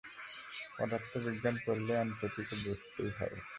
পদার্থবিজ্ঞান পড়লে এনট্রপিকে বুঝতেই হবে।